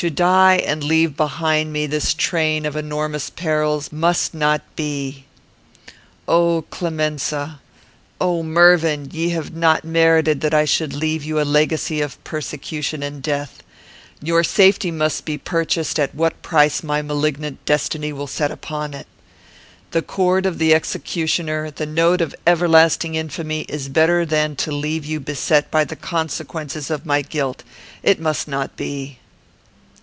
To die, and leave behind me this train of enormous perils, must not be. "O Clemenza! O Mervyn! Ye have not merited that I should leave you a legacy of persecution and death. Your safety must be purchased at what price my malignant destiny will set upon it. The cord of the executioner, the note of everlasting infamy, is better than to leave you beset by the consequences of my guilt. It must not be."